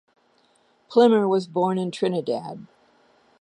Plimmer was born in Trinidad.